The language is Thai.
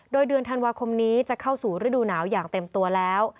โดยเดือนธันวาคมนี้จะเข้าสู่ฤดูหนาวอย่างเต็มตัวแล้ว